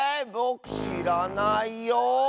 ぼくしらないよ。